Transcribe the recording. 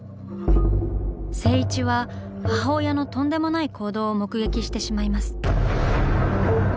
静一は母親のとんでもない行動を目撃してしまいます。